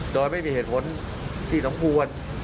โดยไม่มีเหตุผลที่สมควร